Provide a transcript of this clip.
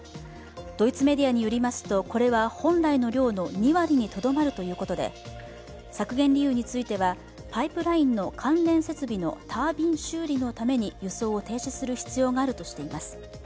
ドイツメディアによりますとこれは本来の量の２割にとどまるということで削減理由については、パイプラインの関連設備のタービン修理のために輸送を停止する必要があるとしています。